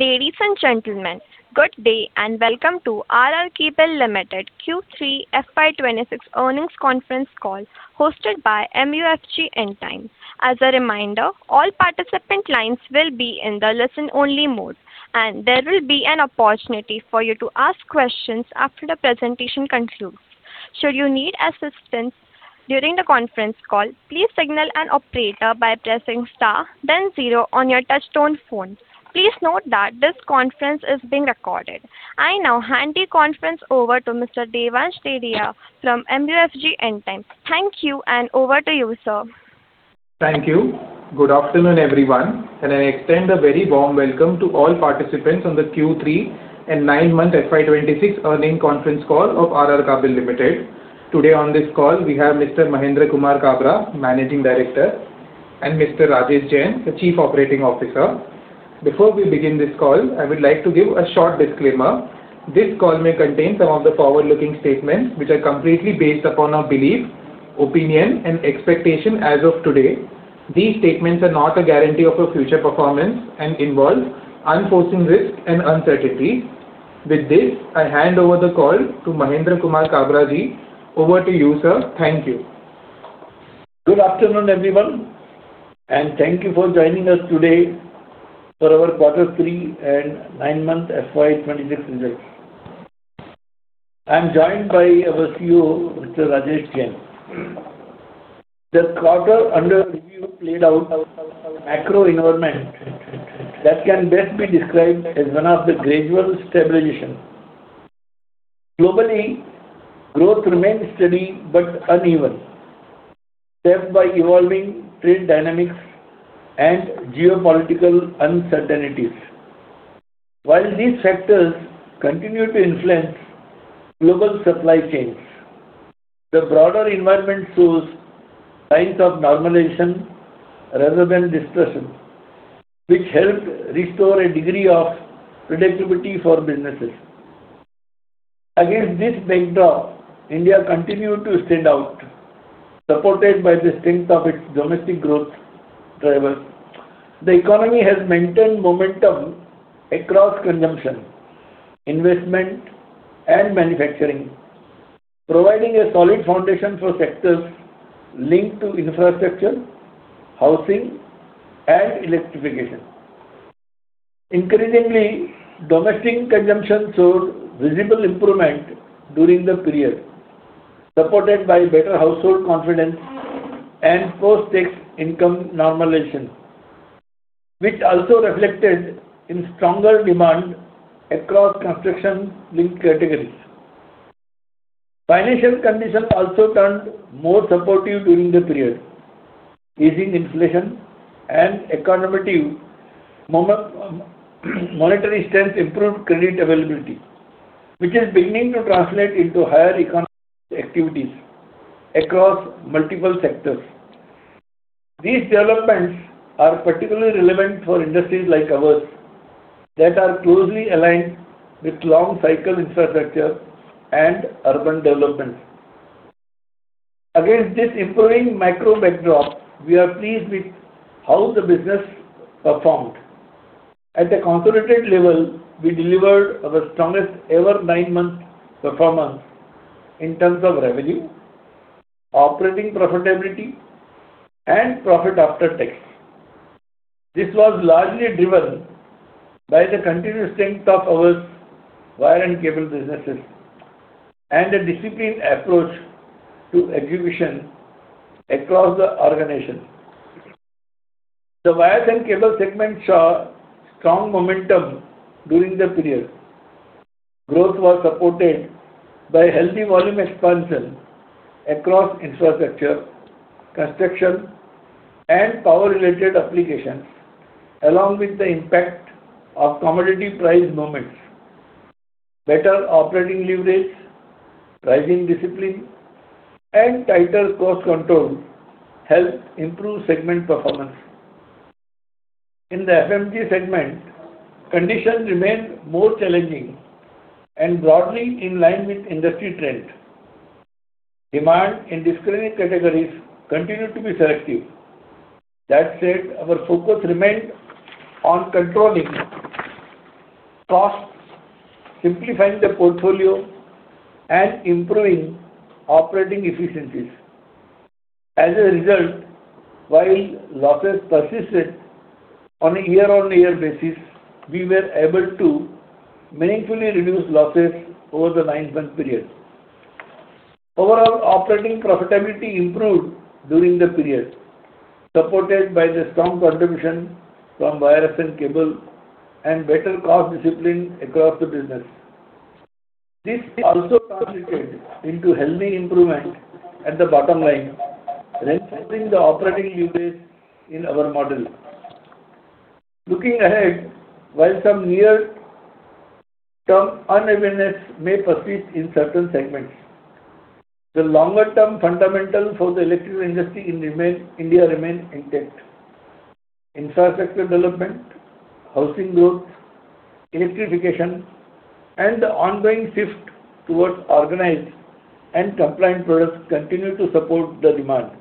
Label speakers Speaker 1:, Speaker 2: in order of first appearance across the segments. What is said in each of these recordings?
Speaker 1: Ladies and gentlemen, good day and welcome to R R Kabel Limited Q3 FY26 earnings conference call hosted by MUFG Intime. As a reminder, all participant lines will be in the listen-only mode, and there will be an opportunity for you to ask questions after the presentation concludes. Should you need assistance during the conference call, please signal an operator by pressing star, then zero on your touch-tone phone. Please note that this conference is being recorded. I now hand the conference over to Mr. Devansh Dadiya from MUFG Intime. Thank you, and over to you, sir.
Speaker 2: Thank you. Good afternoon, everyone, and I extend a very warm welcome to all participants on the Q3 and 9-month FY26 earnings conference call of R R Kabel Limited. Today on this call, we have Mr. Mahendra Kumar Kabra, Managing Director, and Mr. Rajesh Jain, the Chief Operating Officer. Before we begin this call, I would like to give a short disclaimer. This call may contain some of the forward-looking statements which are completely based upon our belief, opinion, and expectation as of today. These statements are not a guarantee of your future performance and involve unforeseen risk and uncertainty. With this, I hand over the call to Mahendra Kumar Kabra Ji. Over to you, sir. Thank you.
Speaker 3: Good afternoon, everyone, and thank you for joining us today for our Quarter 3 and 9-month FY26 results. I'm joined by our CEO, Mr. Rajesh Jain. The quarter under review played out macro environment that can best be described as one of the gradual stabilization. Globally, growth remained steady but uneven, stepped by evolving trade dynamics and geopolitical uncertainties. While these factors continue to influence global supply chains, the broader environment shows signs of normalization rather than destruction, which helped restore a degree of predictability for businesses. Against this backdrop, India continued to stand out, supported by the strength of its domestic growth drivers. The economy has maintained momentum across consumption, investment, and manufacturing, providing a solid foundation for sectors linked to infrastructure, housing, and electrification. Increasingly, domestic consumption showed visible improvement during the period, supported by better household confidence and post-tax income normalization, which also reflected in stronger demand across construction-linked categories. Financial conditions also turned more supportive during the period, easing inflation, and economic monetary strength improved credit availability, which is beginning to translate into higher economic activities across multiple sectors. These developments are particularly relevant for industries like ours that are closely aligned with long-cycle infrastructure and urban developments. Against this improving macro backdrop, we are pleased with how the business performed. At the consolidated level, we delivered our strongest-ever 9-month performance in terms of revenue, operating profitability, and profit after tax. This was largely driven by the continued strength of our wire and cable businesses and a disciplined approach to execution across the organization. The wires and cable segments saw strong momentum during the period. Growth was supported by healthy volume expansion across infrastructure, construction, and power-related applications, along with the impact of commodity price movements. Better operating leverage, pricing discipline, and tighter cost control helped improve segment performance. In the FMG segment, conditions remained more challenging and broadly in line with industry trends. Demand in discretionary categories continued to be selective. That said, our focus remained on controlling costs, simplifying the portfolio, and improving operating efficiencies. As a result, while losses persisted on a year-on-year basis, we were able to meaningfully reduce losses over the 9-month period. Overall, operating profitability improved during the period, supported by the strong contribution from wires and cables and better cost discipline across the business. This also translated into healthy improvement at the bottom line, reinforcing the operating leverage in our model. Looking ahead, while some near-term unevenness may persist in certain segments, the longer-term fundamentals for the electrical industry in India remain intact. Infrastructure development, housing growth, electrification, and the ongoing shift towards organized and compliant products continue to support the demand.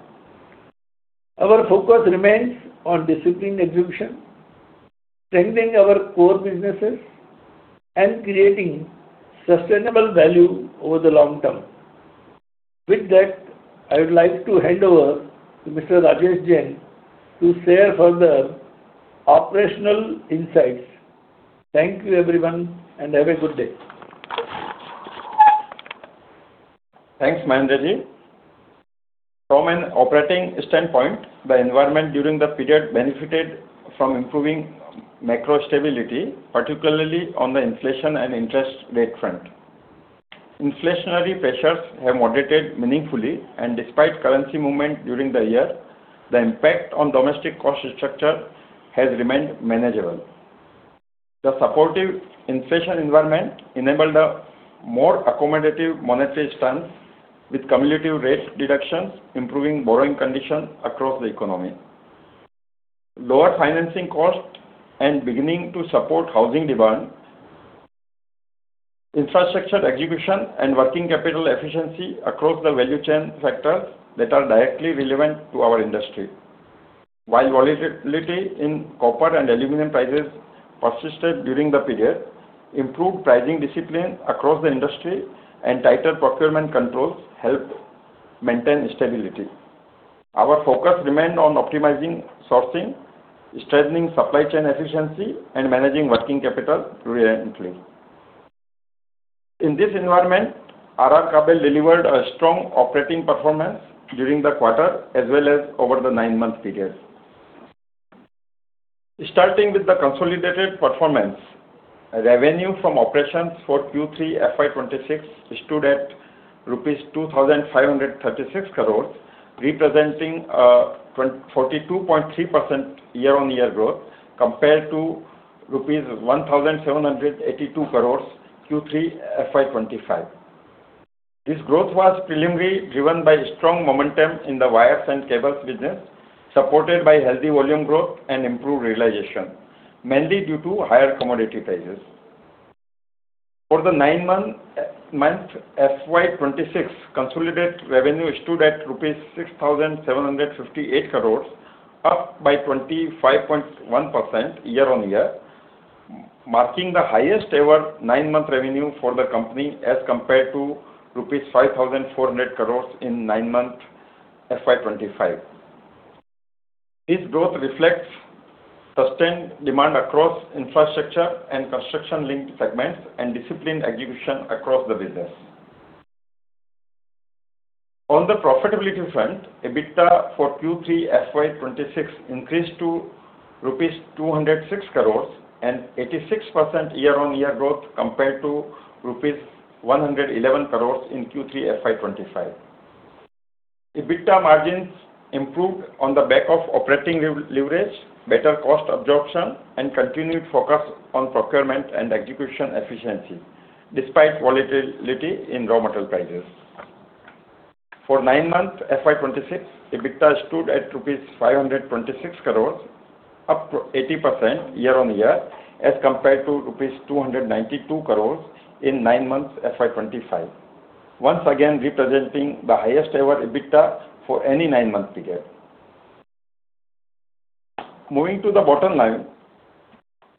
Speaker 3: Our focus remains on disciplined execution, strengthening our core businesses, and creating sustainable value over the long term. With that, I would like to hand over to Mr. Rajesh Jain to share further operational insights. Thank you, everyone, and have a good day.
Speaker 4: Thanks, Mahendra Ji. From an operating standpoint, the environment during the period benefited from improving macro stability, particularly on the inflation and interest rate front. Inflationary pressures have moderated meaningfully, and despite currency movement during the year, the impact on domestic cost structure has remained manageable. The supportive inflation environment enabled more accommodative monetary stance with cumulative rate deductions, improving borrowing conditions across the economy. Lower financing costs and beginning to support housing demand, infrastructure execution, and working capital efficiency across the value chain factors that are directly relevant to our industry. While volatility in copper and aluminum prices persisted during the period, improved pricing discipline across the industry and tighter procurement controls helped maintain stability. Our focus remained on optimizing sourcing, strengthening supply chain efficiency, and managing working capital fluently. In this environment, R R Kabel delivered a strong operating performance during the quarter as well as over the 9-month period. Starting with the consolidated performance, revenue from operations for Q3 FY26 stood at INR 2,536 crores, representing a 42.3% year-on-year growth compared to rupees 1,782 crores Q3 FY25. This growth was preliminarily driven by strong momentum in the wires and cables business, supported by healthy volume growth and improved realization, mainly due to higher commodity prices. For the 9-month FY26, consolidated revenue stood at rupees 6,758 crores, up by 25.1% year-on-year, marking the highest-ever 9-month revenue for the company as compared to rupees 5,400 crores in 9-month FY25. This growth reflects sustained demand across infrastructure and construction-linked segments and disciplined execution across the business. On the profitability front, EBITDA for Q3 FY26 increased to rupees 206 crores, an 86% year-on-year growth compared to rupees 111 crores in Q3 FY25. EBITDA margins improved on the back of operating leverage, better cost absorption, and continued focus on procurement and execution efficiency, despite volatility in raw material prices. For 9-month FY26, EBITDA stood at 526 crores rupees, up 80% year-on-year as compared to 292 crores rupees in 9-month FY25, once again representing the highest-ever EBITDA for any 9-month period. Moving to the bottom line,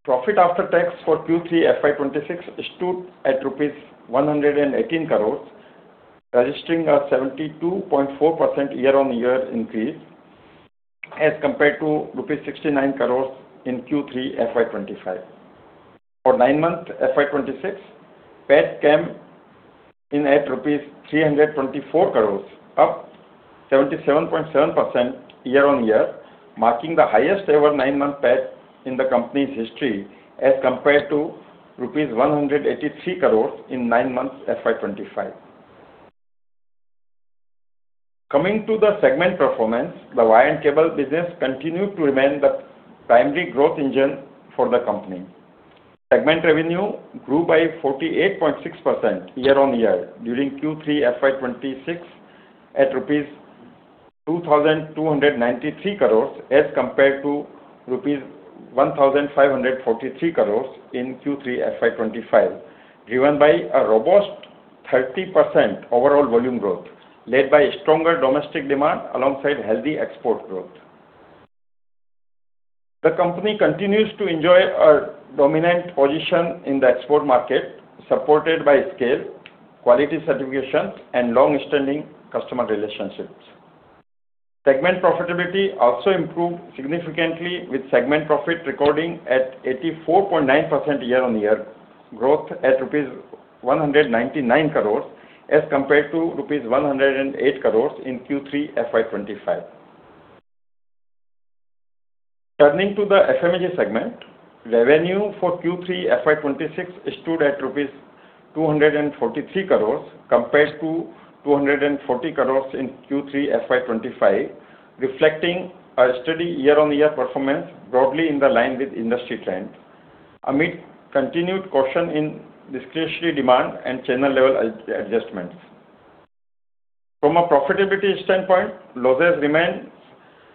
Speaker 4: profit after tax for Q3 FY26 stood at rupees 118 crores, registering a 72.4% year-on-year increase as compared to rupees 69 crores in Q3 FY25. For 9-month FY26, PAT came in at 324 crores rupees, up 77.7% year-on-year, marking the highest-ever 9-month PAT in the company's history as compared to rupees 183 crores in 9-month FY25. Coming to the segment performance, the wire and cable business continued to remain the primary growth engine for the company. Segment revenue grew by 48.6% year-on-year during Q3 FY26 at INR 2,293 crores as compared to INR 1,543 crores in Q3 FY25, driven by a robust 30% overall volume growth led by stronger domestic demand alongside healthy export growth. The company continues to enjoy a dominant position in the export market, supported by scale, quality certifications, and long-standing customer relationships. Segment profitability also improved significantly, with segment profit recording at 84.9% year-on-year growth at rupees 199 crores as compared to rupees 108 crores in Q3 FY25. Turning to the FMG segment, revenue for Q3 FY26 stood at rupees 243 crores compared to 240 crores in Q3 FY25, reflecting a steady year-on-year performance broadly in line with industry trends, amid continued caution in discretionary demand and channel-level adjustments. From a profitability standpoint, losses remained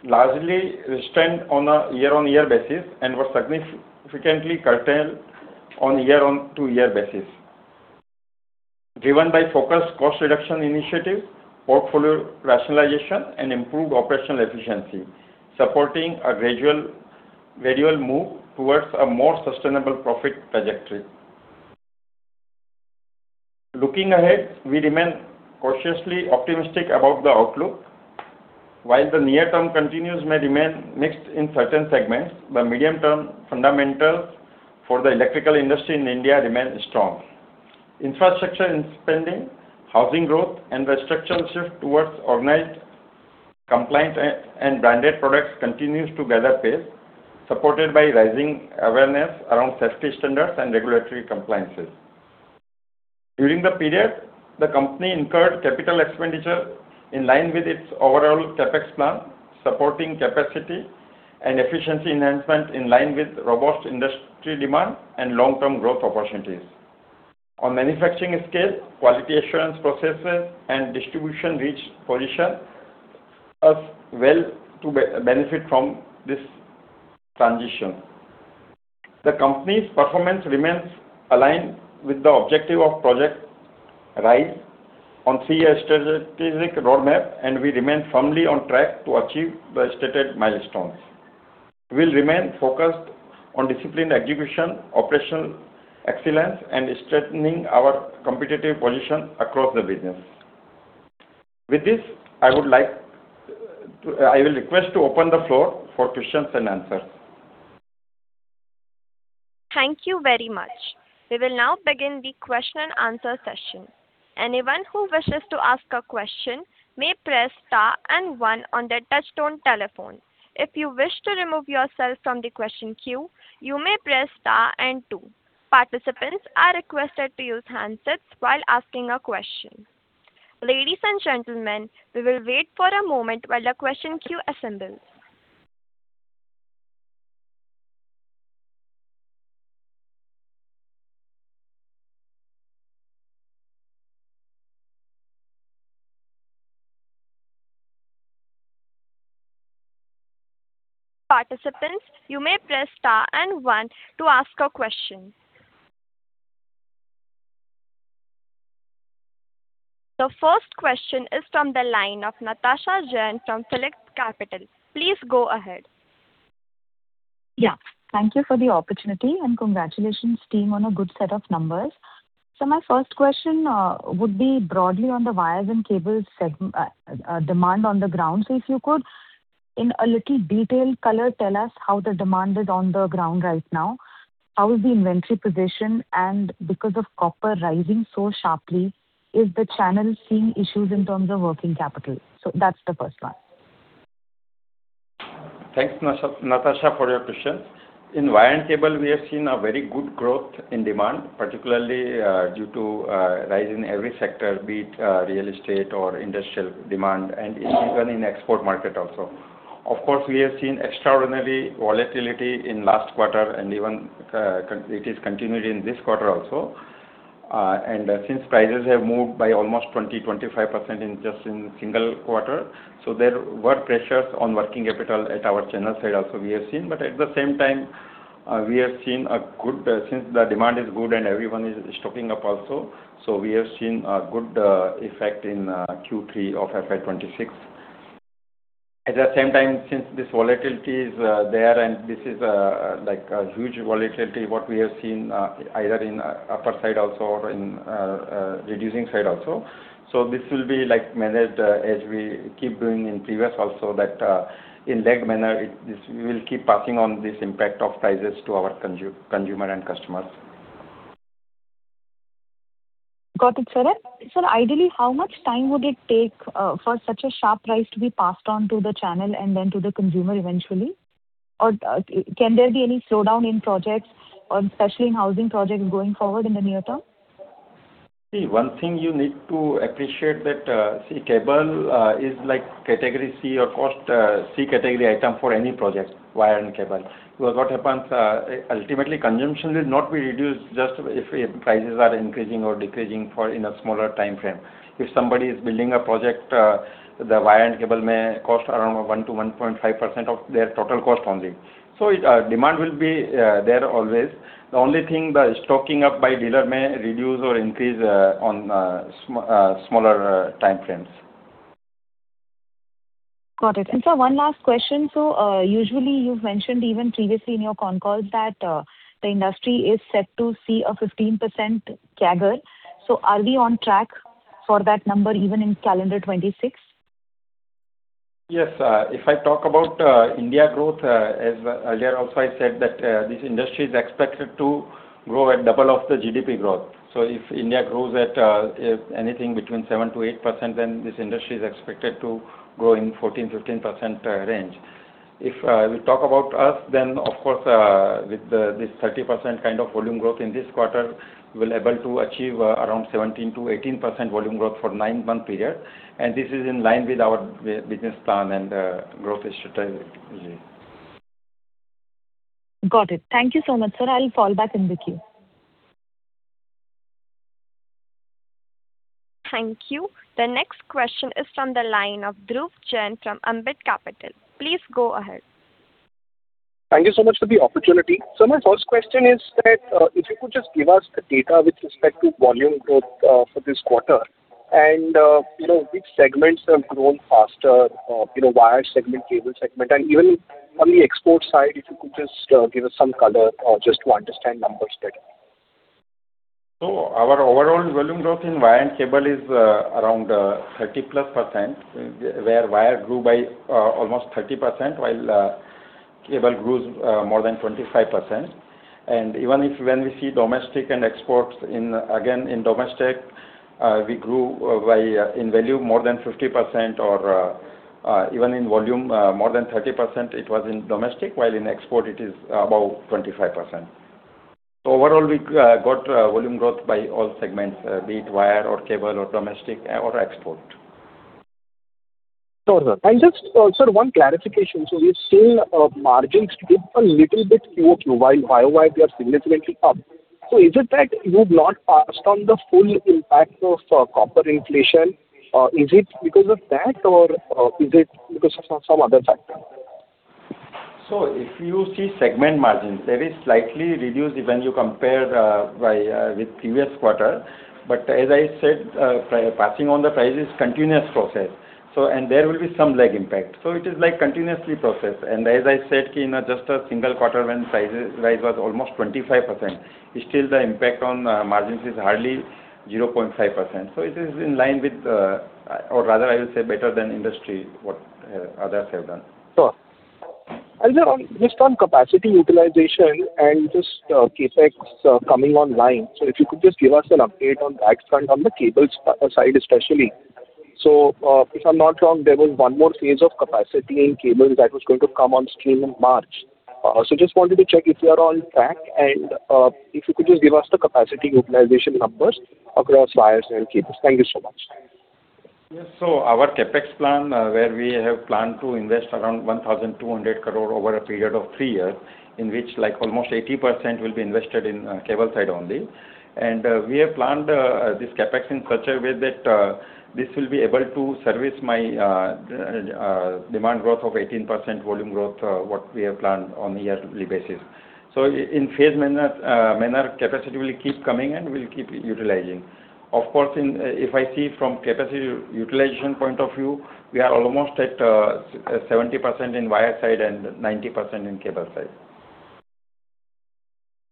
Speaker 4: largely restrained on a year-on-year basis and were significantly curtailed on a year-on-year basis, driven by focused cost reduction initiatives, portfolio rationalization, and improved operational efficiency, supporting a gradual move towards a more sustainable profit trajectory. Looking ahead, we remain cautiously optimistic about the outlook. While the near-term continues to remain mixed in certain segments, the medium-term fundamentals for the electrical industry in India remain strong. Infrastructure spending, housing growth, and the structural shift towards organized, compliant, and branded products continue to gather pace, supported by rising awareness around safety standards and regulatory compliances. During the period, the company incurred capital expenditure in line with its overall CapEx plan, supporting capacity and efficiency enhancement in line with robust industry demand and long-term growth opportunities. On manufacturing scale, quality assurance processes, and distribution reached positions as well to benefit from this transition. The company's performance remains aligned with the objective of Project Rise on a three-year strategic roadmap, and we remain firmly on track to achieve the stated milestones. We will remain focused on disciplined execution, operational excellence, and strengthening our competitive position across the business. With this, I will request to open the floor for questions and answers.
Speaker 1: Thank you very much. We will now begin the question-and-answer session. Anyone who wishes to ask a question may press star and one on their touch-tone telephone. If you wish to remove yourself from the question queue, you may press star and two. Participants are requested to use handsets while asking a question. Ladies and gentlemen, we will wait for a moment while the question queue assembles. Participants, you may press star and one to ask a question. The first question is from the line of Natasha Jain from Felix Capital. Please go ahead.
Speaker 5: Yeah, thank you for the opportunity, and congratulations, team, on a good set of numbers. So my first question would be broadly on the wires and cables demand on the ground. So if you could, in a little detail, color, tell us how the demand is on the ground right now. How is the inventory position? And because of copper rising so sharply, is the channel seeing issues in terms of working capital? So that's the first one.
Speaker 4: Thanks, Natasha, for your questions. In wire and cable, we have seen a very good growth in demand, particularly due to a rise in every sector, be it real estate or industrial demand, and even in the export market also. Of course, we have seen extraordinary volatility in the last quarter, and it is continuing in this quarter also. Since prices have moved by almost 20%-25% just in the single quarter, so there were pressures on working capital at our channel side also, we have seen. But at the same time, we have seen a good since the demand is good and everyone is stocking up also, so we have seen a good effect in Q3 of FY26. At the same time, since this volatility is there and this is a huge volatility, what we have seen either in the upper side also or in the reducing side also. This will be managed as we keep doing in previous also that in a lagged manner, we will keep passing on this impact of prices to our consumer and customers.
Speaker 5: Got it, sir. Sir, ideally, how much time would it take for such a sharp price to be passed on to the channel and then to the consumer eventually? Or can there be any slowdown in projects, especially in housing projects, going forward in the near term?
Speaker 4: See, one thing you need to appreciate that, see, cable is category C or cost C category item for any project, wire and cable. What happens, ultimately, consumption will not be reduced just if prices are increasing or decreasing in a smaller time frame. If somebody is building a project, the wire and cable may cost around 1%-1.5% of their total cost only. So demand will be there always. The only thing, the stocking up by dealer may reduce or increase on smaller time frames.
Speaker 5: Got it. Sir, one last question. Usually, you've mentioned even previously in your concalls that the industry is set to see a 15% CAGR. Are we on track for that number even in calendar 2026?
Speaker 4: Yes. If I talk about India growth, as earlier also I said, that this industry is expected to grow at double of the GDP growth. So if India grows at anything between 7%-8%, then this industry is expected to grow in the 14%-15% range. If we talk about us, then of course, with this 30% kind of volume growth in this quarter, we'll be able to achieve around 17%-18% volume growth for the 9-month period. This is in line with our business plan and growth strategy.
Speaker 5: Got it. Thank you so much, sir. I'll fall back in the queue.
Speaker 1: Thank you. The next question is from the line of Dhruv Jain from Ambit Capital. Please go ahead.
Speaker 5: Thank you so much for the opportunity. Sir, my first question is that if you could just give us the data with respect to volume growth for this quarter and which segments have grown faster, wire segment, cable segment, and even on the export side, if you could just give us some color just to understand numbers better?
Speaker 4: Our overall volume growth in wire and cable is around 30+%, where wire grew by almost 30% while cable grew more than 25%. Even when we see domestic and exports, again, in domestic, we grew in value more than 50% or even in volume more than 30%, it was in domestic, while in export, it is about 25%. Overall, we got volume growth by all segments, be it wire or cable or domestic or export.
Speaker 5: Sure, sir. Just, sir, one clarification. We've seen margins dip a little bit QOQ, while wire-wide, they are significantly up. Is it that you've not passed on the full impact of copper inflation? Is it because of that, or is it because of some other factor?
Speaker 4: So if you see segment margins, they are slightly reduced when you compare with the previous quarter. But as I said, passing on the price is a continuous process, and there will be some lag impact. So it is continuously processed. And as I said, just a single quarter when price rise was almost 25%, still the impact on margins is hardly 0.5%. So it is in line with, or rather, I will say better than industry, what others have done.
Speaker 5: Sure. Sir, just on capacity utilization and just CapEx coming online, so if you could just give us an update on that front on the cables side, especially. So if I'm not wrong, there was one more phase of capacity in cables that was going to come on stream in March. So I just wanted to check if we are on track and if you could just give us the capacity utilization numbers across wires and cables. Thank you so much.
Speaker 4: Yes. So our CapEx plan, where we have planned to invest around 1,200 crore over a period of three years, in which almost 80% will be invested in cable side only. And we have planned this CapEx in such a way that this will be able to service my demand growth of 18% volume growth, what we have planned on a yearly basis. So in phased manner, capacity will keep coming and we'll keep utilizing. Of course, if I see from capacity utilization point of view, we are almost at 70% in wire side and 90% in cable side.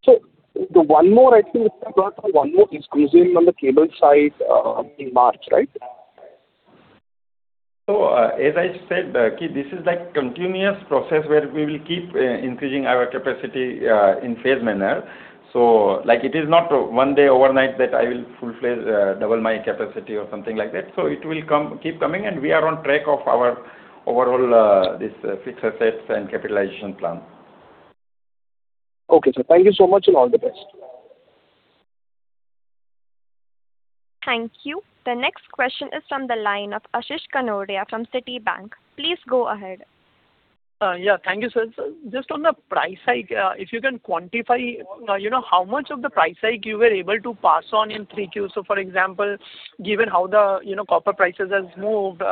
Speaker 5: So the one more I think we've got one more is cruising on the cable side in March, right?
Speaker 4: So as I said, this is a continuous process where we will keep increasing our capacity in phase manner. So it is not one day overnight that I will double my capacity or something like that. So it will keep coming, and we are on track of our overall fixed assets and capitalization plan.
Speaker 5: Okay, sir. Thank you so much, and all the best.
Speaker 1: Thank you. The next question is from the line of Ashish Kanodya from Citibank. Please go ahead.
Speaker 5: Yeah, thank you, sir. Just on the price hike, if you can quantify how much of the price hike you were able to pass on in 3Q? So for example, given how the copper prices have moved,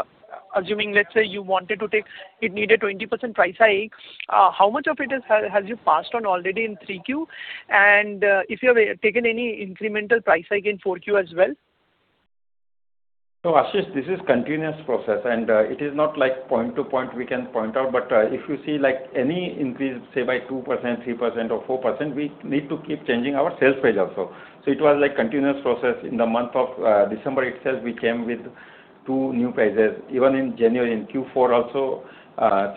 Speaker 5: assuming, let's say, you wanted to take it needed 20% price hike, how much of it has you passed on already in 3Q? And if you have taken any incremental price hike in 4Q as well?
Speaker 4: So Ashish, this is a continuous process, and it is not point-to-point we can point out. But if you see any increase, say, by 2%, 3%, or 4%, we need to keep changing our sales phase also. So it was a continuous process. In the month of December itself, we came with 2 new prices, even in January in Q4 also,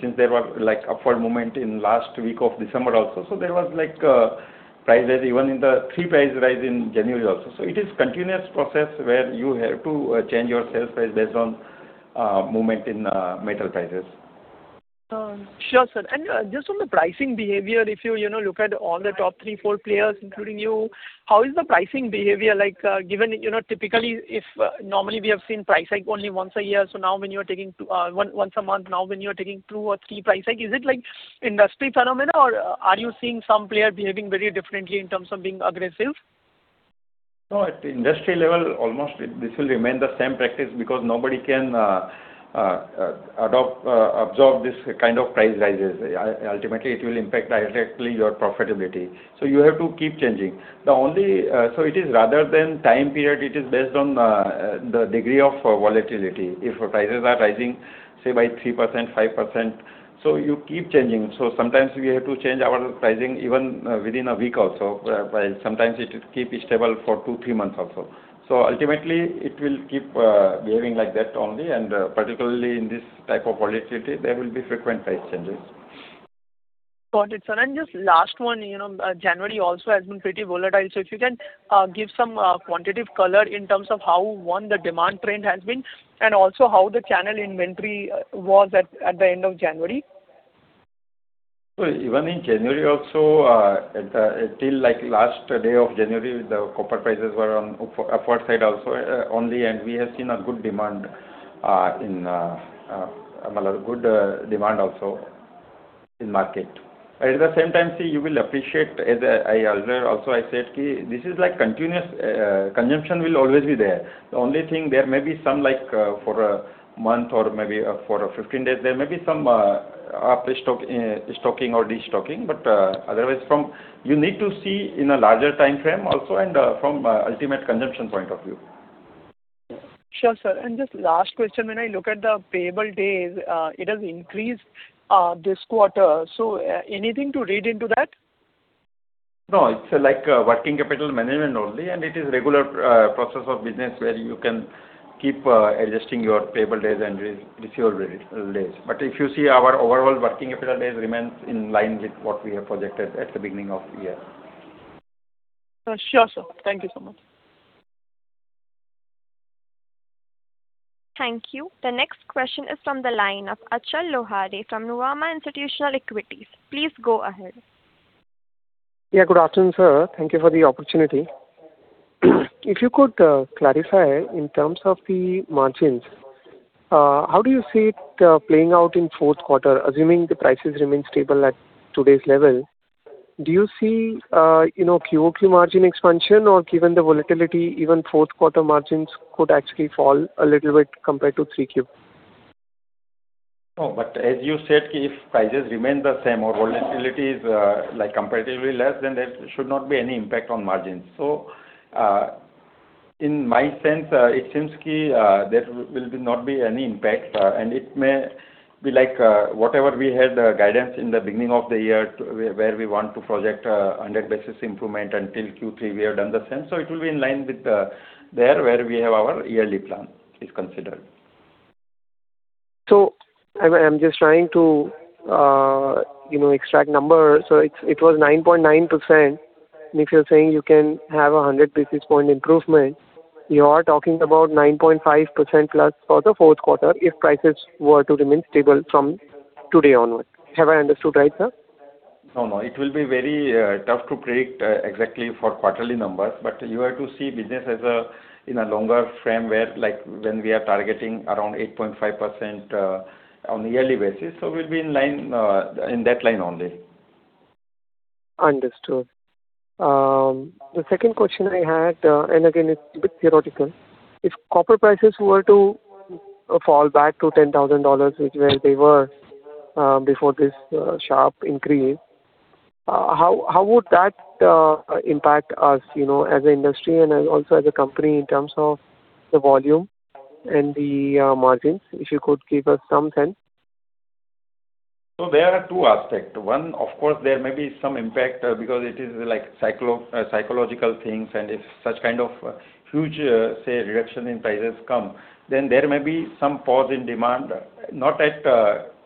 Speaker 4: since there was an upward movement in the last week of December also. So there was price rise even in the 3 price rise in January also. So it is a continuous process where you have to change your sales price based on movement in metal prices.
Speaker 5: Sure, sir. Just on the pricing behavior, if you look at all the top 3-4 players, including you, how is the pricing behavior? Given typically, normally, we have seen price hike only once a year. Now when you are taking once a month, now when you are taking 2 or 3 price hikes, is it an industry phenomenon, or are you seeing some player behaving very differently in terms of being aggressive?
Speaker 4: So at the industry level, almost this will remain the same practice because nobody can absorb this kind of price rises. Ultimately, it will impact directly your profitability. So you have to keep changing. So it is rather than time period, it is based on the degree of volatility. If prices are rising, say, by 3%, 5%, so you keep changing. So sometimes we have to change our pricing even within a week also, while sometimes it keeps stable for two, three months also. So ultimately, it will keep behaving like that only. And particularly in this type of volatility, there will be frequent price changes.
Speaker 5: Got it, sir. And just last one, January also has been pretty volatile. So if you can give some quantitative color in terms of how, one, the demand trend has been and also how the channel inventory was at the end of January.
Speaker 4: So even in January also, till last day of January, the copper prices were on the upward side also only, and we have seen a good demand in good demand also in the market. At the same time, see, you will appreciate, as I also said, this is continuous consumption will always be there. The only thing, there may be some for a month or maybe for 15 days, there may be some upstocking or destocking. But otherwise, you need to see in a larger time frame also and from an ultimate consumption point of view.
Speaker 5: Sure, sir. And just last question, when I look at the payable days, it has increased this quarter. So anything to read into that?
Speaker 4: No, it's working capital management only, and it is a regular process of business where you can keep adjusting your payable days and receivable days. But if you see our overall working capital days remain in line with what we have projected at the beginning of the year.
Speaker 5: Sure, sir. Thank you so much.
Speaker 1: Thank you. The next question is from the line of Achal Lohade from Nuvama Institutional Equities. Please go ahead.
Speaker 5: Yeah, good afternoon, sir. Thank you for the opportunity. If you could clarify in terms of the margins, how do you see it playing out in the fourth quarter? Assuming the prices remain stable at today's level, do you see QOQ margin expansion, or given the volatility, even fourth quarter margins could actually fall a little bit compared to 3Q?
Speaker 4: Oh, but as you said, if prices remain the same or volatility is comparatively less, then there should not be any impact on margins. So in my sense, it seems that there will not be any impact, and it may be whatever we had guidance in the beginning of the year where we want to project 100 basis improvement until Q3; we have done the same. So it will be in line with there where we have our yearly plan is considered.
Speaker 5: I'm just trying to extract numbers. It was 9.9%. If you're saying you can have a 100 basis point improvement, you are talking about 9.5% plus for the fourth quarter if prices were to remain stable from today onward. Have I understood right, sir?
Speaker 4: No, no. It will be very tough to predict exactly for quarterly numbers, but you have to see business in a longer frame where when we are targeting around 8.5% on a yearly basis. So we'll be in that line only.
Speaker 5: Understood. The second question I had, and again, it's a bit theoretical, if copper prices were to fall back to $10,000, which is where they were before this sharp increase, how would that impact us as an industry and also as a company in terms of the volume and the margins, if you could give us some sense?
Speaker 4: There are two aspects. One, of course, there may be some impact because it is psychological things, and if such kind of huge, say, reduction in prices come, then there may be some pause in demand, not at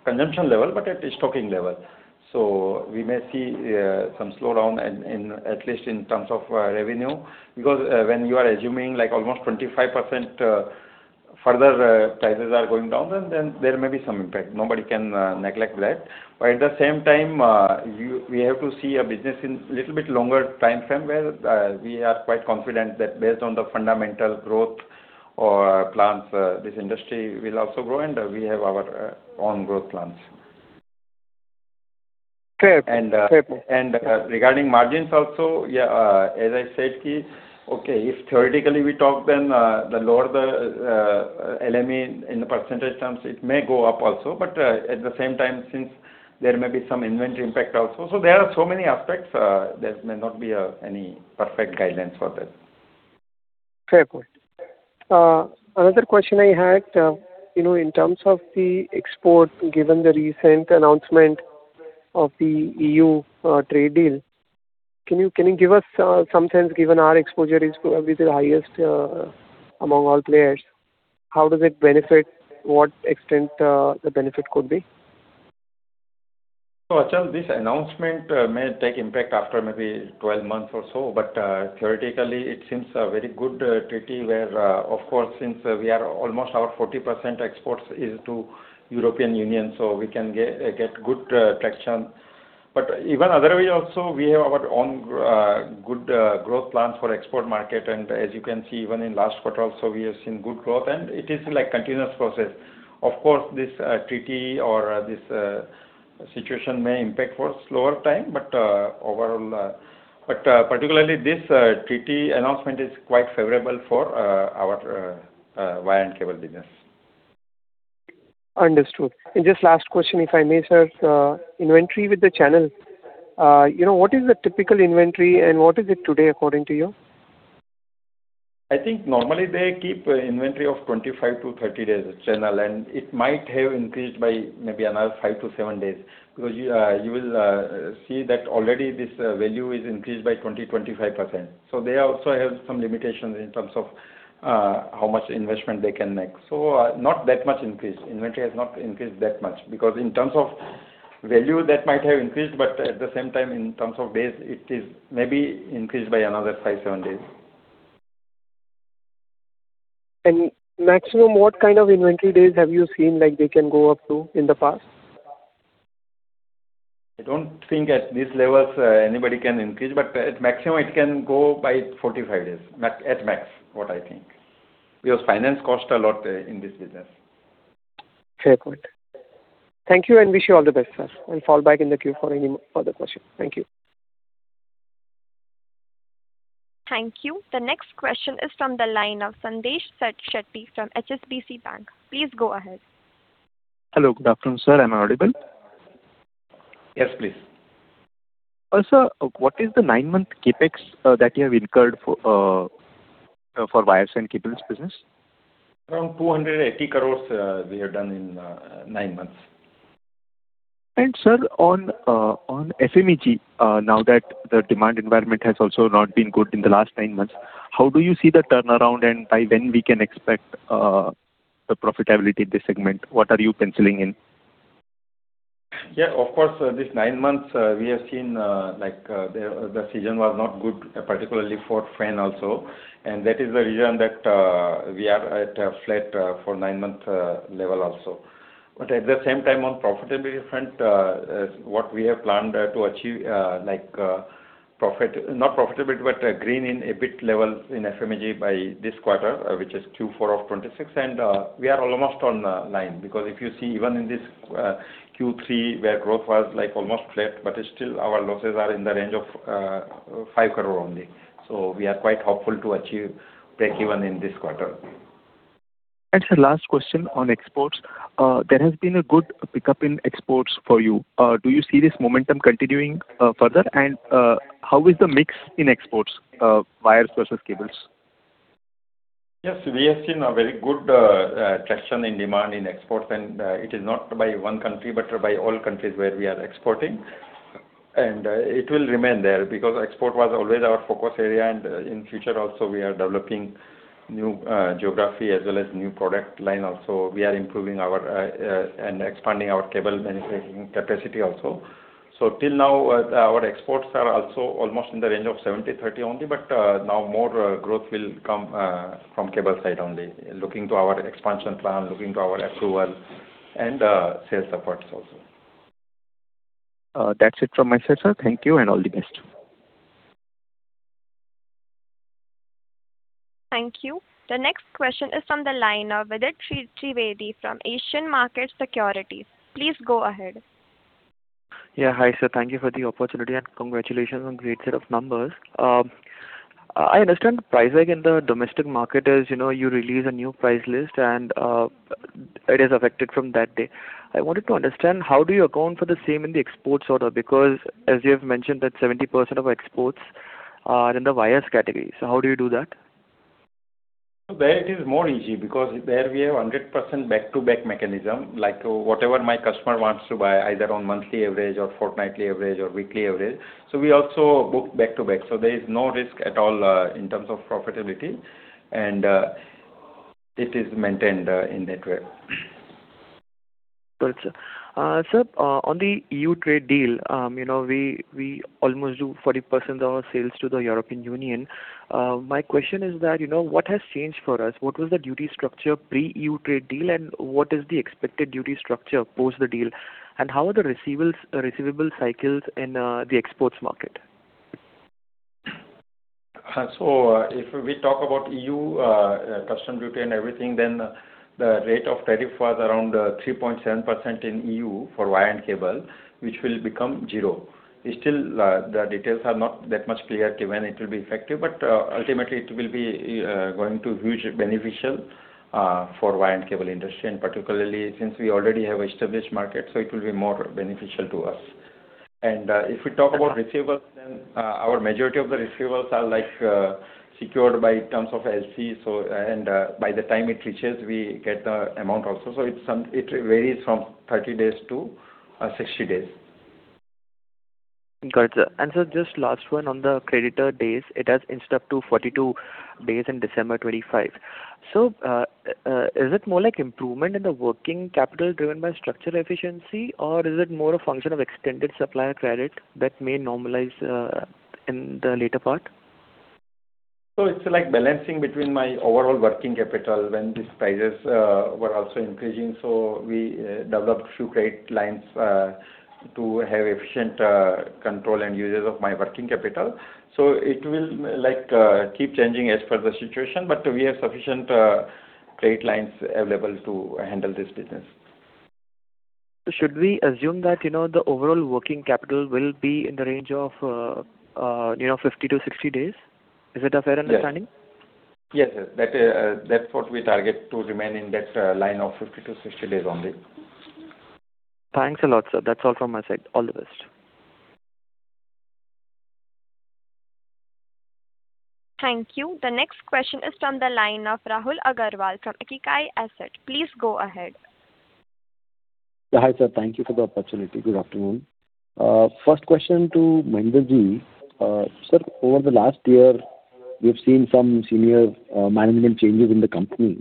Speaker 4: consumption level, but at the stocking level. So we may see some slowdown, at least in terms of revenue, because when you are assuming almost 25% further prices are going down, then there may be some impact. Nobody can neglect that. But at the same time, we have to see a business in a little bit longer time frame where we are quite confident that based on the fundamental growth or plans, this industry will also grow, and we have our own growth plans.
Speaker 5: Capable.
Speaker 4: Regarding margins also, yeah, as I said, okay, if theoretically we talk, then the lower the LME in percentage terms, it may go up also. But at the same time, since there may be some inventory impact also. So there are so many aspects. There may not be any perfect guidelines for that.
Speaker 5: Very good. Another question I had, in terms of the export, given the recent announcement of the EU trade deal, can you give us some sense, given our exposure is probably the highest among all players, how does it benefit, to what extent the benefit could be?
Speaker 4: So Achal, this announcement may take impact after maybe 12 months or so, but theoretically, it seems a very good treaty where, of course, since we are almost our 40% exports is to the European Union, so we can get good traction. But even otherwise also, we have our own good growth plans for the export market. And as you can see, even in the last quarter also, we have seen good growth, and it is a continuous process. Of course, this treaty or this situation may impact for a slower time, but particularly, this treaty announcement is quite favorable for our wire and cable business.
Speaker 5: Understood. Just last question, if I may, sir, inventory with the channel, what is the typical inventory, and what is it today, according to you?
Speaker 4: I think normally, they keep an inventory of 25-30 days channel, and it might have increased by maybe another 5-7 days because you will see that already this value is increased by 20%-25%. So they also have some limitations in terms of how much investment they can make. So not that much increased. Inventory has not increased that much because in terms of value, that might have increased, but at the same time, in terms of days, it is maybe increased by another 5-7 days.
Speaker 5: Maximum, what kind of inventory days have you seen they can go up to in the past?
Speaker 4: I don't think at these levels, anybody can increase, but at maximum, it can go by 45 days, at max, what I think, because finance costs a lot in this business.
Speaker 5: Very good. Thank you, and wish you all the best, sir. I'll fall back in the queue for any further questions. Thank you.
Speaker 1: Thank you. The next question is from the line of Sandesh Shetty from HSBC Bank. Please go ahead.
Speaker 5: Hello. Good afternoon, sir. Am I audible?
Speaker 4: Yes, please.
Speaker 5: Also, what is the nine-month CapEx that you have incurred for wires and cables business?
Speaker 4: Around 280 crore we have done in nine months.
Speaker 5: Sir, on FMEG, now that the demand environment has also not been good in the last nine months, how do you see the turnaround and by when we can expect the profitability in this segment? What are you penciling in?
Speaker 4: Yeah, of course, these nine months, we have seen the season was not good, particularly for fan also. And that is the reason that we are at a flat for nine-month level also. But at the same time, on profitability front, what we have planned to achieve, not profitability, but green in EBIT level in FMEG by this quarter, which is Q4 of 2026, and we are almost on the line because if you see even in this Q3 where growth was almost flat, but still, our losses are in the range of 5 crore only. So we are quite hopeful to achieve break-even in this quarter.
Speaker 5: Sir, last question on exports. There has been a good pickup in exports for you. Do you see this momentum continuing further, and how is the mix in exports, wires versus cables?
Speaker 4: Yes, we have seen a very good traction in demand in exports, and it is not by one country, but by all countries where we are exporting. It will remain there because export was always our focus area, and in the future also, we are developing new geography as well as new product line also. We are improving and expanding our cable manufacturing capacity also. Till now, our exports are also almost in the range of 70-30 only, but now more growth will come from the cable side only, looking to our expansion plan, looking to our approval, and sales efforts also.
Speaker 5: That's it from my side, sir. Thank you and all the best.
Speaker 1: Thank you. The next question is from the line of Vidit Trivedi from Asian Market Securities. Please go ahead.
Speaker 5: Yeah, hi, sir. Thank you for the opportunity, and congratulations on a great set of numbers. I understand the price hike in the domestic market as you released a new price list, and it is effective from that day. I wanted to understand, how do you account for the same in the export orders? Because as you have mentioned, that 70% of exports are in the wires category. So how do you do that?
Speaker 4: There it is more easy because there we have 100% back-to-back mechanism, whatever my customer wants to buy, either on monthly average or fortnightly average or weekly average. So we also book back-to-back. So there is no risk at all in terms of profitability, and it is maintained in that way.
Speaker 5: Good, sir. Sir, on the EU trade deal, we almost do 40% of our sales to the European Union. My question is that what has changed for us? What was the duty structure pre-EU trade deal, and what is the expected duty structure post the deal, and how are the receivable cycles in the exports market?
Speaker 4: So if we talk about EU customs duty and everything, then the rate of tariff was around 3.7% in EU for wire and cable, which will become zero. Still, the details are not that much clear to when it will be effective, but ultimately, it will be going to be hugely beneficial for the wire and cable industry, and particularly since we already have an established market, so it will be more beneficial to us. And if we talk about receivables, then our majority of the receivables are secured in terms of LC, and by the time it reaches, we get the amount also. So it varies from 30 days to 60 days.
Speaker 5: Good, sir. And sir, just last one, on the creditor days, it has inched up to 42 days in December 2025. So is it more like improvement in the working capital driven by structure efficiency, or is it more a function of extended supplier credit that may normalize in the later part?
Speaker 4: It's balancing between my overall working capital. When these prices were also increasing, so we developed a few credit lines to have efficient control and usage of my working capital. It will keep changing as per the situation, but we have sufficient credit lines available to handle this business.
Speaker 5: Should we assume that the overall working capital will be in the range of 50-60 days? Is that a fair understanding?
Speaker 4: Yes, yes, yes. That's what we target, to remain in that line of 50-60 days only.
Speaker 5: Thanks a lot, sir. That's all from my side. All the best.
Speaker 1: Thank you. The next question is from the line of Rahul Agarwal from Ikigai Asset. Please go ahead.
Speaker 5: Yeah, hi, sir. Thank you for the opportunity. Good afternoon. First question to Mahendra Kabra sir, over the last year, we have seen some senior management changes in the company.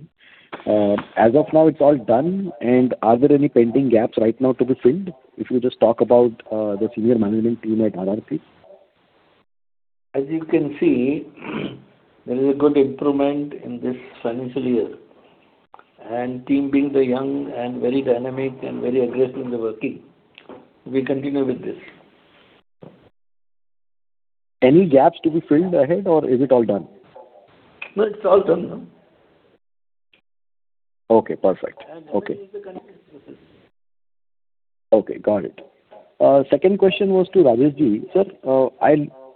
Speaker 5: As of now, it's all done, and are there any pending gaps right now to be filled? If you just talk about the senior management team at RR Kabel.
Speaker 4: As you can see, there is a good improvement in this financial year. The team being young and very dynamic and very aggressive in the working, we continue with this.
Speaker 5: Any gaps to be filled ahead, or is it all done?
Speaker 4: No, it's all done.
Speaker 5: Okay, perfect. Okay. Okay, got it. Second question was to Rajesh Jain Sir,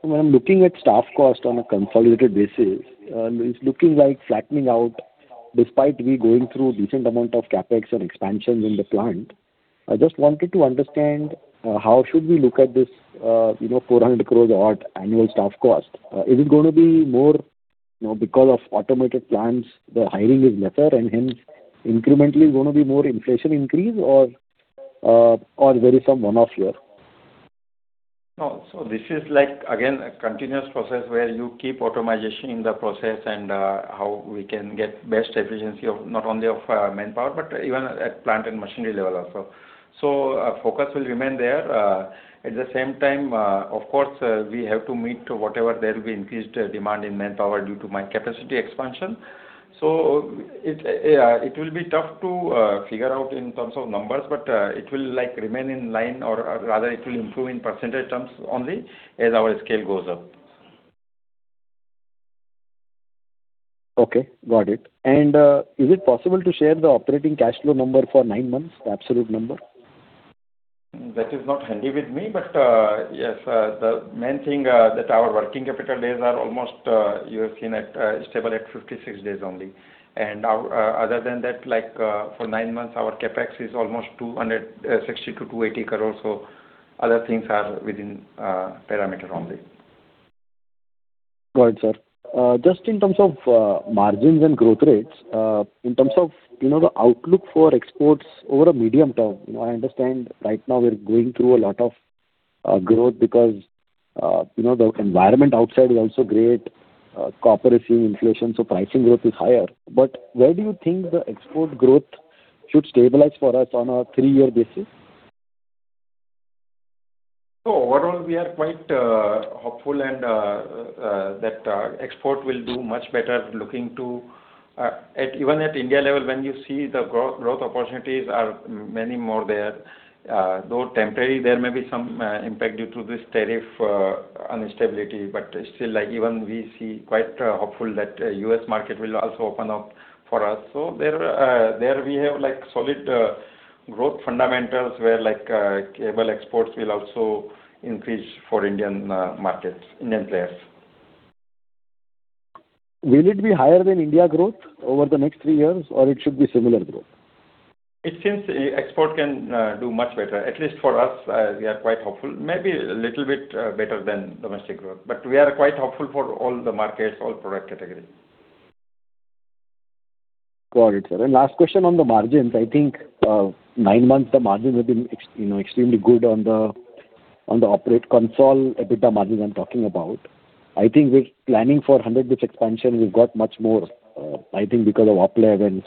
Speaker 5: when I'm looking at staff cost on a consolidated basis, it's looking like flattening out despite we going through a decent amount of CapEx and expansions in the plant. I just wanted to understand, how should we look at this 400 crore odd annual staff cost? Is it going to be more because of automated plants, the hiring is lesser, and hence, incrementally, it's going to be more inflation increase, or there is some one-off here?
Speaker 4: No, so this is, again, a continuous process where you keep automation in the process and how we can get the best efficiency not only of manpower, but even at plant and machinery level also. So focus will remain there. At the same time, of course, we have to meet whatever there will be increased demand in manpower due to my capacity expansion. So it will be tough to figure out in terms of numbers, but it will remain in line, or rather, it will improve in percentage terms only as our scale goes up.
Speaker 5: Okay, got it. Is it possible to share the operating cash flow number for nine months, the absolute number?
Speaker 4: That is not handy with me, but yes, the main thing that our working capital days are almost, you have seen, stable at 56 days only. Other than that, for nine months, our CapEx is almost 260 crore-280 crore. Other things are within parameter only.
Speaker 5: Good, sir. Just in terms of margins and growth rates, in terms of the outlook for exports over a medium term, I understand right now, we're going through a lot of growth because the environment outside is also great. Copper is seeing inflation, so pricing growth is higher. But where do you think the export growth should stabilize for us on a three-year basis?
Speaker 4: So overall, we are quite hopeful that export will do much better looking to even at India level, when you see the growth opportunities are many more there. Though temporary, there may be some impact due to this tariff instability, but still, even we see quite hopeful that the U.S. market will also open up for us. So there we have solid growth fundamentals where cable exports will also increase for Indian players.
Speaker 5: Will it be higher than India growth over the next three years, or it should be similar growth?
Speaker 4: It seems export can do much better, at least for us. We are quite hopeful, maybe a little bit better than domestic growth, but we are quite hopeful for all the markets, all product categories.
Speaker 5: Got it, sir. Last question on the margins. I think nine months, the margins have been extremely good on the operating consolidated EBITDA margins I'm talking about. I think we're planning for 100 bps expansion. We've got much more, I think, because of lower copper when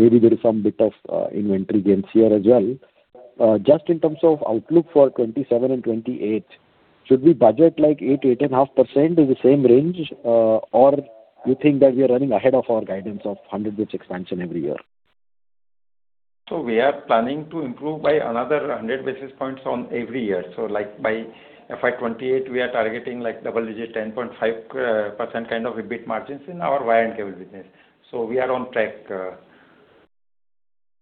Speaker 5: maybe there is some bit of inventory gains here as well. Just in terms of outlook for 2027 and 2028, should we budget 8%-8.5% in the same range, or do you think that we are running ahead of our guidance of 100 bps expansion every year?
Speaker 4: So we are planning to improve by another 100 basis points every year. So by FY 2028, we are targeting double-digit 10.5% kind of EBIT margins in our wire and cable business. So we are on track,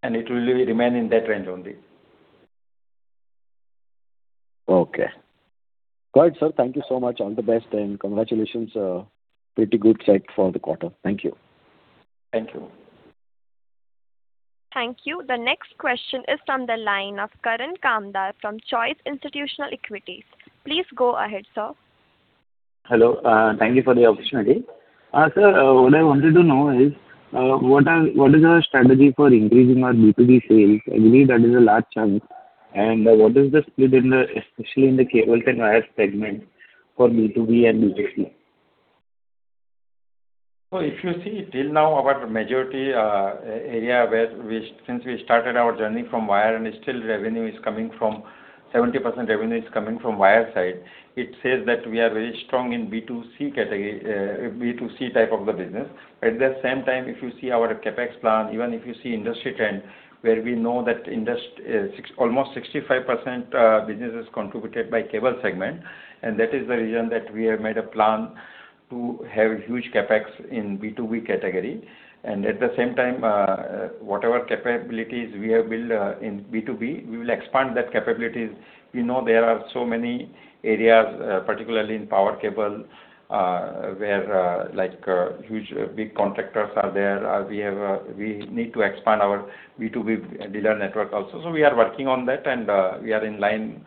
Speaker 4: and it will remain in that range only.
Speaker 5: Okay. Good, sir. Thank you so much. All the best, and congratulations. Pretty good set for the quarter. Thank you.
Speaker 4: Thank you.
Speaker 1: Thank you. The next question is from the line of Karan Kamdar from Choice Institutional Equities. Please go ahead, sir.
Speaker 4: Hello. Thank you for the opportunity. Sir, what I wanted to know is, what is our strategy for increasing our B2B sales? I believe that is a large chunk. What is the split in the especially in the cables and wires segment for B2B and B2C?
Speaker 5: So if you see till now, about the majority area where since we started our journey from wire and still revenue is coming from 70% revenue is coming from wire side, it says that we are very strong in B2C type of the business. But at the same time, if you see our CapEx plan, even if you see industry trend where we know that almost 65% business is contributed by cable segment, and that is the reason that we have made a plan to have a huge CapEx in B2B category. And at the same time, whatever capabilities we have built in B2B, we will expand that capabilities. We know there are so many areas, particularly in power cable, where huge big contractors are there. We need to expand our B2B dealer network also. So we are working on that, and we are in line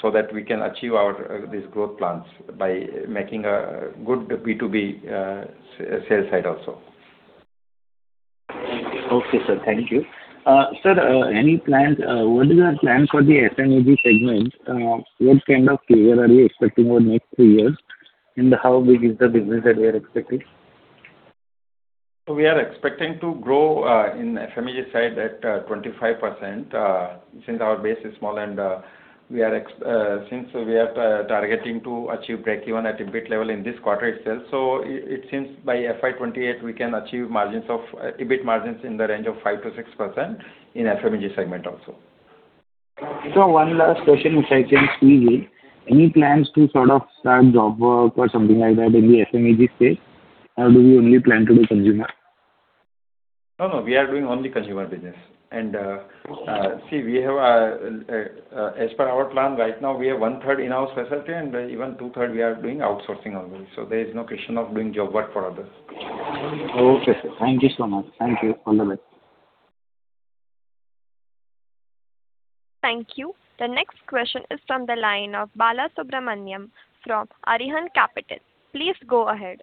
Speaker 5: so that we can achieve these growth plans by making a good B2B sales side also. Okay, sir. Thank you. Sir, what is our plan for the FMEG segment? What kind of figure are you expecting over the next three years, and how big is the business that we are expecting?
Speaker 4: So we are expecting to grow in the FMEG side at 25% since our base is small. Since we are targeting to achieve break-even at EBIT level in this quarter itself, so it seems by FY 2028, we can achieve EBIT margins in the range of 5%-6% in the FMEG segment also.
Speaker 5: One last question which I can see here. Any plans to sort of start job work or something like that in the FMEG space? Or do we only plan to do consumer?
Speaker 4: No, no. We are doing only consumer business. And see, as per our plan, right now, we have one-third in our facility, and even two-third, we are doing outsourcing already. So there is no question of doing job work for others.
Speaker 5: Okay, sir. Thank you so much. Thank you. All the best.
Speaker 1: Thank you. The next question is from the line of Bala Subramaniam from Arihant Capital. Please go ahead.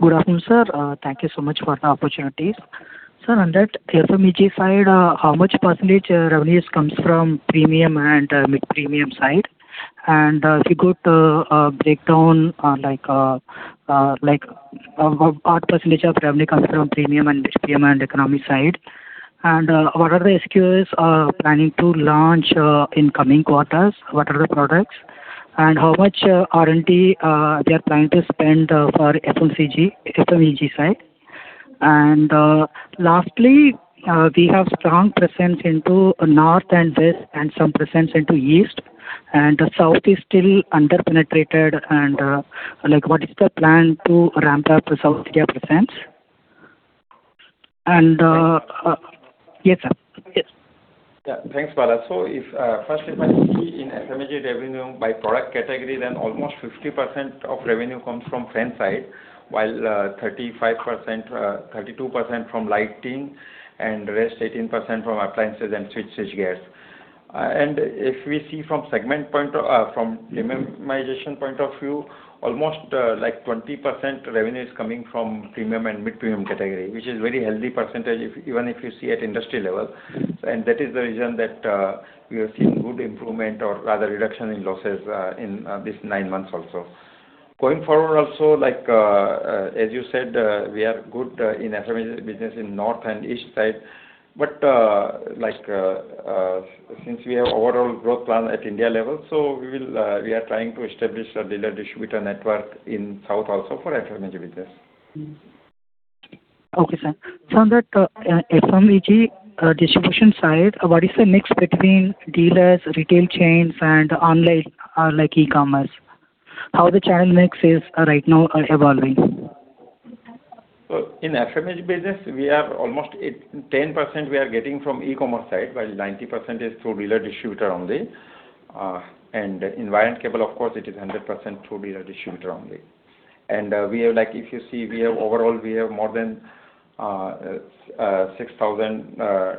Speaker 5: Good afternoon, sir. Thank you so much for the opportunities. Sir, on that, the FMEG side, how much percentage revenues comes from premium and mid-premium side? And if you go to breakdown, what percentage of revenue comes from premium and mid-premium and economy side? And what are the SKUs planning to launch in coming quarters? What are the products? And how much R&D they are planning to spend for FMEG side? And lastly, we have strong presence into North and West and some presence into East. And the South is still under-penetrated. And what is the plan to ramp up South India presence? And yes, sir.
Speaker 4: Yeah. Thanks, Bala. So if first, if I see in FMEG revenue by product category, then almost 50% of revenue comes from fans side, while 32% from lighting, and the rest 18% from appliances and switchgears. And if we see from margin point of view, almost 20% revenue is coming from premium and mid-premium category, which is a very healthy percentage even if you see at industry level. And that is the reason that we have seen good improvement or rather reduction in losses in these nine months also. Going forward also, as you said, we are good in FMEG business in North and East side. But since we have an overall growth plan at India level, so we are trying to establish a dealer-distributor network in South also for FMEG business.
Speaker 5: Okay, sir. So on that, FMEG distribution side, what is the mix between dealers, retail chains, and online e-commerce? How the channel mix is right now evolving?
Speaker 4: So in FMEG business, we are almost 10% we are getting from e-commerce side, while 90% is through dealer-distributor only. And in wire and cable, of course, it is 100% through dealer-distributor only. And if you see, overall, we have more than 6,000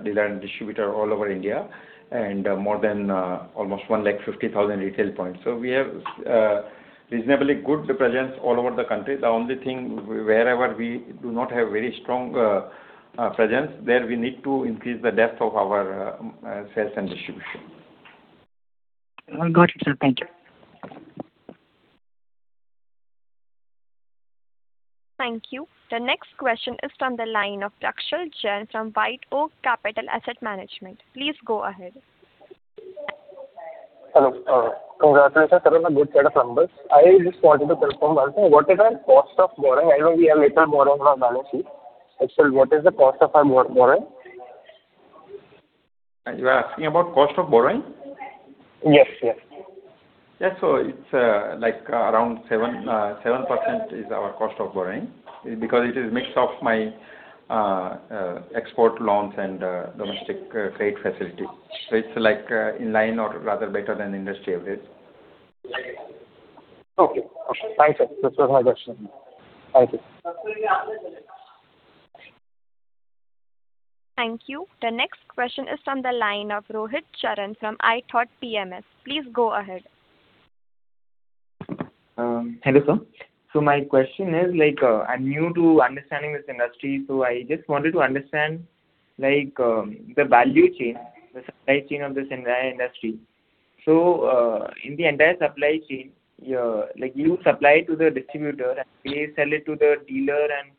Speaker 4: dealer and distributor all over India and more than almost 150,000 retail points. So we have a reasonably good presence all over the country. The only thing, wherever we do not have a very strong presence, there we need to increase the depth of our sales and distribution.
Speaker 5: Got it, sir. Thank you.
Speaker 1: Thank you. The next question is from the line of Dakshal Jair from White Oak Capital Management. Please go ahead.
Speaker 5: Hello. Congratulations, sir. Good set of numbers. I just wanted to confirm also, what is our cost of borrowing? I know we have little borrowing on our balance sheet. Dakshal, what is the cost of our borrowing? You are asking about cost of borrowing? Yes, yes.
Speaker 4: Yes. So it's around 7% is our cost of borrowing because it is a mix of my export loans and domestic credit facility. So it's in line or rather better than industry average.
Speaker 5: Okay. Okay. Thank you, sir. This was my question. Thank you.
Speaker 1: Thank you. The next question is from the line of Rohit Balakrishnan from iThought PMS. Please go ahead.
Speaker 5: Hello, sir. So my question is, I'm new to understanding this industry. So I just wanted to understand the value chain, the supply chain of this entire industry. So in the entire supply chain, you supply it to the distributor, and they sell it to the dealer, and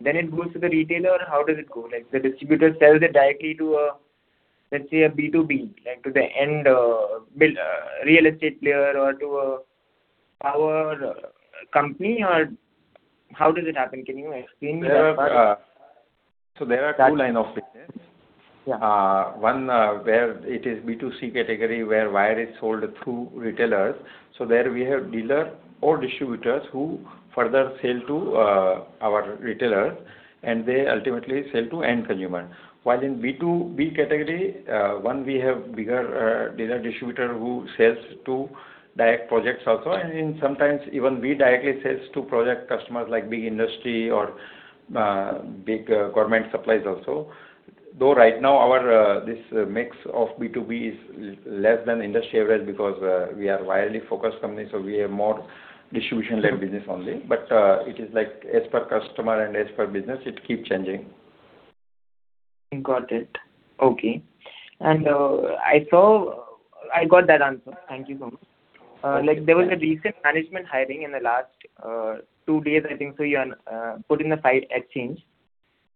Speaker 5: then it goes to the retailer, or how does it go? The distributor sells it directly to, let's say, a B2B, to the end real estate player or to a power company, or how does it happen? Can you explain me that part?
Speaker 4: So there are two lines of business. One where it is B2C category, where wire is sold through retailers. So there, we have dealer or distributors who further sell to our retailers, and they ultimately sell to end consumer. While in B2B category, one, we have a bigger dealer-distributor who sells to direct projects also. And sometimes, even we directly sell to project customers like big industry or big government supplies also. Though right now, this mix of B2B is less than industry average because we are a widely focused company, so we have more distribution-led business only. But it is as per customer and as per business, it keeps changing.
Speaker 5: Got it. Okay. I got that answer. Thank you so much. There was a recent management hiring in the last two days, I think. You put in the stock exchange.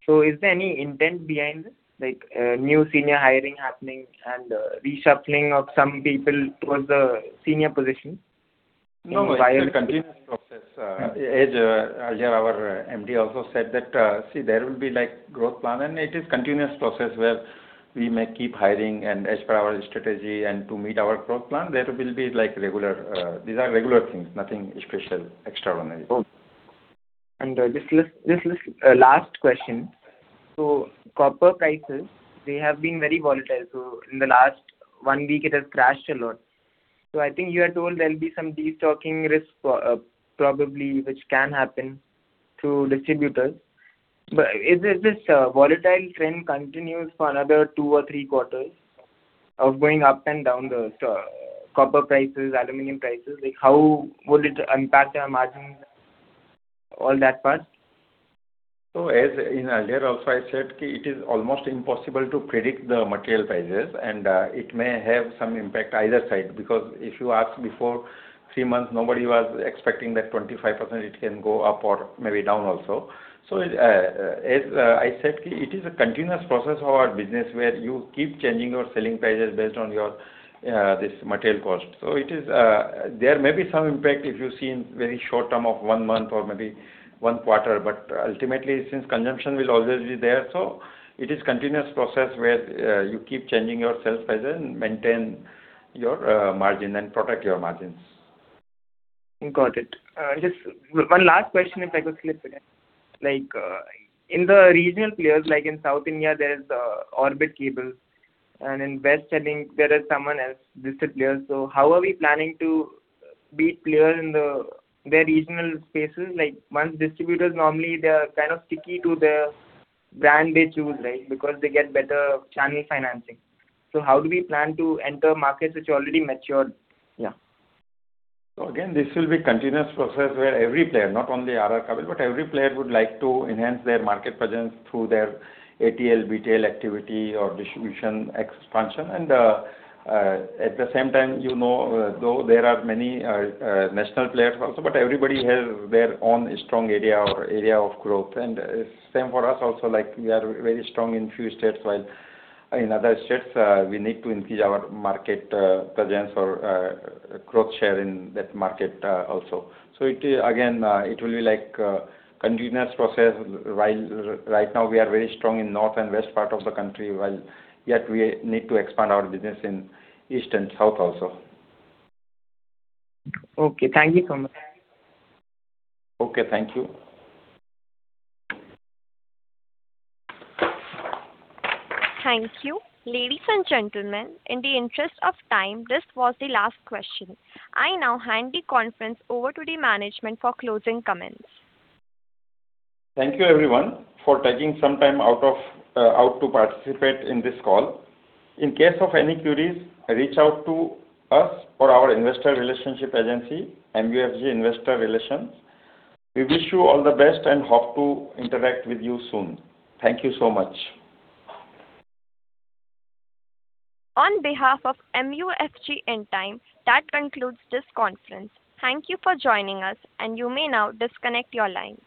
Speaker 5: Is there any intent behind this, new senior hiring happening and reshuffling of some people towards the senior positions?
Speaker 4: No, no. It's a continuous process. As earlier, our MD also said that, see, there will be growth plan, and it is a continuous process where we may keep hiring and as per our strategy and to meet our growth plan, there will be regular. These are regular things, nothing special, extraordinary.
Speaker 5: Okay. Just last question. Copper prices, they have been very volatile. In the last 1 week, it has crashed a lot. I think you are told there will be some destocking risk probably, which can happen through distributors. But if this volatile trend continues for another 2 or 3 quarters of going up and down the copper prices, aluminum prices, how would it impact our margins, all that part?
Speaker 4: So as in earlier also, I said that it is almost impossible to predict the material prices, and it may have some impact either side because if you ask before three months, nobody was expecting that 25% it can go up or maybe down also. So as I said, it is a continuous process of our business where you keep changing your selling prices based on this material cost. So there may be some impact if you see in a very short term of one month or maybe one quarter. But ultimately, since consumption will always be there, so it is a continuous process where you keep changing your sales prices and maintain your margin and protect your margins.
Speaker 5: Got it. Just one last question if I could slip it in. In the regional players, like in South India, there is Orbit Cables, and in West, I think there are someone else, distant players. So how are we planning to beat players in their regional spaces? Once distributors, normally, they are kind of sticky to the brand they choose, right, because they get better channel financing. So how do we plan to enter markets which already matured? Yeah. So again, this will be a continuous process where every player, not only R R Kabel, but every player would like to enhance their market presence through their ATL, BTL activity, or distribution expansion. And at the same time, though there are many national players also, but everybody has their own strong area or area of growth. And same for us also. We are very strong in a few states, while in other states, we need to increase our market presence or growth share in that market also. So again, it will be a continuous process. While right now, we are very strong in the north and west part of the country, while yet we need to expand our business in east and south also. Okay. Thank you so much. Okay. Thank you.
Speaker 1: Thank you, ladies and gentlemen. In the interest of time, this was the last question. I now hand the conference over to the management for closing comments.
Speaker 4: Thank you, everyone, for taking some time out to participate in this call. In case of any queries, reach out to us or our investor relations agency, MUFG Intime. We wish you all the best and hope to interact with you soon. Thank you so much.
Speaker 1: On behalf of MUFG Intime, that concludes this conference. Thank you for joining us, and you may now disconnect your line.